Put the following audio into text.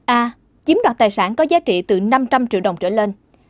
a chiếm đoạt tài sản có giá trị từ năm trăm linh triệu đồng trở lên